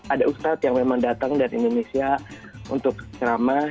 ada ustadz yang memang datang dari indonesia untuk ceramah